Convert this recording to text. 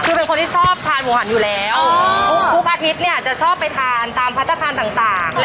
คือเป็นคนที่ชอบทานหมูหันอยู่แล้วทุกอาทิตย์เนี่ยจะชอบไปทานตามพัฒนาทานต่าง